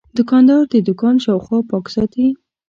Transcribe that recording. دوکاندار د دوکان شاوخوا پاک ساتي.